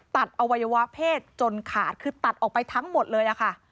อวัยวะเพศจนขาดคือตัดออกไปทั้งหมดเลยค่ะ